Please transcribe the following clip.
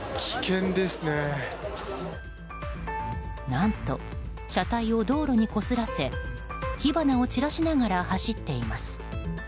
何と車体を道路にこすらせ火花を散らしながら走っています。